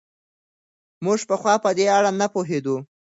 موږ پخوا په دې اړه نه پوهېدو.